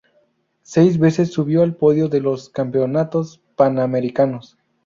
Seis veces subió al podio de los Campeonatos Panamericanos.